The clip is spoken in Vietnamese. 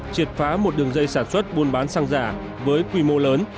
triệt phá một đường dây sản xuất buôn bán xăng giả với quy mô lớn